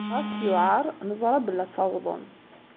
Ɣas yuɛeṛ, neẓṛa belli ad tawḍem.